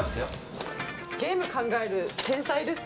ゲーム考える天才です？